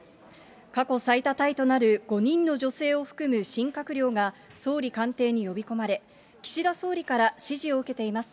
過去最多タイとなる５人の女性を含む新閣僚が、総理官邸に呼び込まれ、岸田総理から指示を受けています。